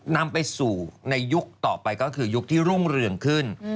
นำไปสู่ในยุคต่อไปก็คือยุคที่รุ่งเรืองขึ้น